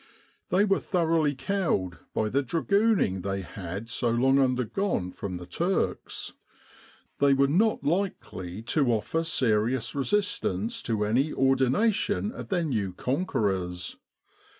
They were thoroughly cowed by the dragooning they had so long undergone from the Turks. They were not likely to offer serious re sistance to any ordination of their new conquerors.